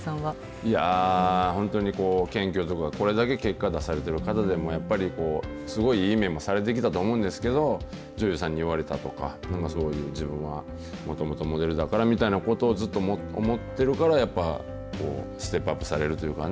いやー、本当に謙虚というか、これだけ結果出されてる方でもやっぱりこう、すごいいいされてきたと思うんですけど、女優さんに言われたとか、なんかそういう自分はもともとモデルだからみたいなことをずっと思ってるから、やっぱこう、ステップアップされるというかね。